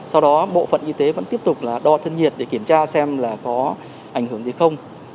sau đó bộ phận y tế vẫn tiếp tục là đo thân nhiệt để kiểm tra xem là có ảnh hưởng gì không